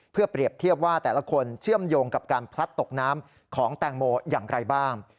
เพื่อเปรียบเทียบว่าแต่ละคนเชื่อมโยงกับการพลัดตกน้ำของแตงโมอย่างไรบ้าง